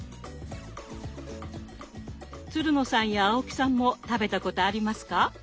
つるのさんや青木さんも食べたことありますか？